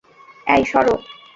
এই, সর!